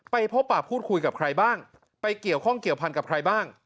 พบป่าพูดคุยกับใครบ้างไปเกี่ยวข้องเกี่ยวพันกับใครบ้าง